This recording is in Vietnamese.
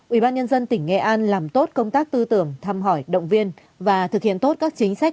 ubnd tỉnh nghệ an làm tốt công tác tư tưởng thăm hỏi động viên và thực hiện tốt các chính sách